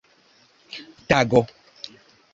tago